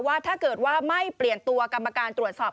ว่าถ้าเกิดว่าไม่เปลี่ยนตัวกรรมการตรวจสอบ